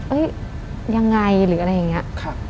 เอ้ยยังไงหรืออะไรอย่างเงี้ย